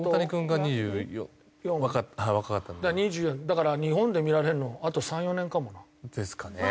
だから日本で見られるのあと３４年かもな。ですかね。